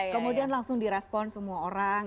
kemudian langsung di respon semua orang